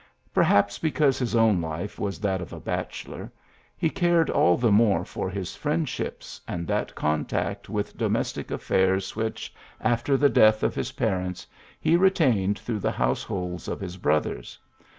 Perhaps because his own life was that of a bachelor, he cared all the more for his friendships and that contact with domestic affairs which, after the death of his parents, he retained through the households of his brothers.